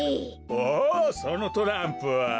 おおそのトランプは。